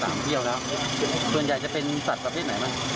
เที่ยวแล้วส่วนใหญ่จะเป็นสัตว์ประเภทไหนบ้าง